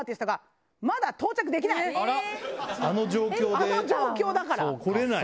あの状況だから。